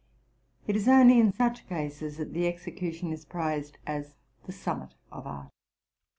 It is only in such cases that the execution is prized as the summit of art.